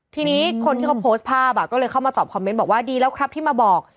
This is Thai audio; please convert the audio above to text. ทีนี้คนที่เขาโพสต์ภาพก็เลยเข้ามาตอบคอมเมนต์บอกว่าดีแล้วครับที่มาบอก